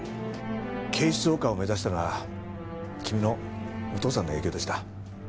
警視総監を目指したのは君のお父さんの影響でした。